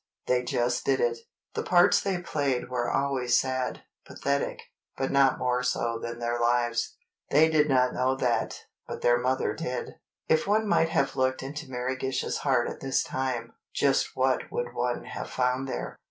They just did it. The parts they played were always sad—pathetic, but not more so than their lives. They did not know that, but their mother did. If one might have looked into Mary Gish's heart at this time, just what would one have found there?